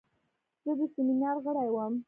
زه د سیمینار غړی وم.